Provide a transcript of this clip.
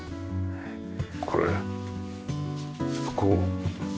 これここ。